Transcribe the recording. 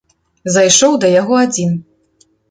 Зайшоў да яго адзін.